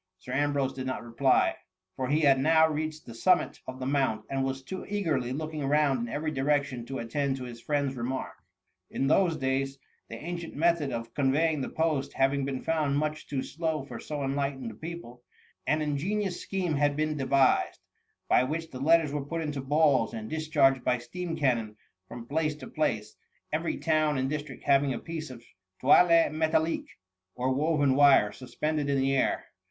Sir Ambrose did not reply, for he had now reached the summit of the mount, and was too eagerly looking round in every direction to at tend to his friend's remark. In those days, the ancient method of con veying the post having been found much too slow for so enlightened a people, an in genious scheme had been devised^ by which the letters were put into balls and discharged by Bteam cannon, from place to place ; every town and district having a piece of toile metal lique, or woven wire, suspended in the air.